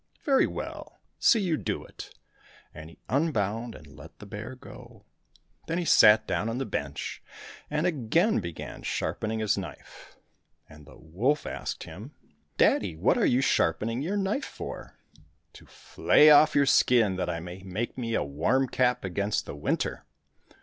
—" Very well, see you do it," and he unbound and let the bear go. Then he sat down on the bench and again began sharpening his knife. And the wolf asked him, " Daddy, what ^ The^hare. I4X COSSACK FAIRY TALES are you sharpening your knife for ?"—" To flay off your skin, that I may make me a warm cap against the winter."